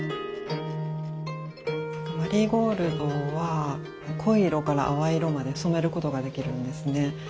マリーゴールドは濃い色から淡い色まで染めることができるんですね。